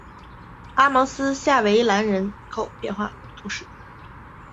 阿芒斯下韦兰人口变化图示